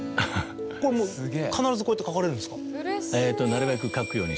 これはもう必ずこうやって書かれるんですか？